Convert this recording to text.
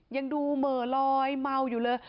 ยังดูเหม่อลอยเมาอยู่เลย